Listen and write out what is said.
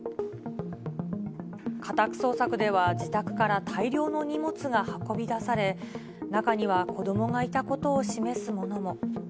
家宅捜索では、自宅から大量の荷物が運び出され、中には子どもがいたことを示すものも。